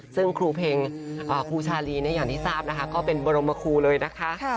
ซึ่งครูเพลงครูชาลีเนี่ยอย่างที่ทราบนะคะก็เป็นบรมครูเลยนะคะ